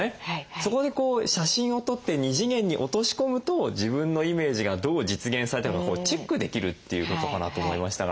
そこでこう写真を撮って２次元に落とし込むと自分のイメージがどう実現されたのかチェックできるっていうことかなと思いましたが。